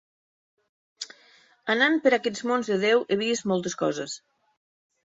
Anant per aquests mons de Déu, he vist moltes coses.